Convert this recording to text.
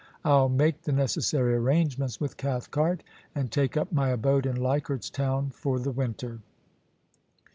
I'll make the necessary arrange ments with Cathcart, and take up my abode in Leichardt's Town for the winter.